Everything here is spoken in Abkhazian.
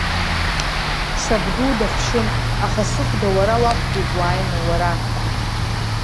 Сабду дахшьым, аха сыхәда уара уқәтәеит уааины, уара!